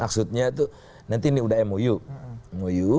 maksudnya tuh nanti ini udah mou